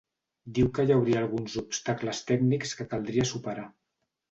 Diu que hi hauria alguns obstacles tècnics que caldria superar.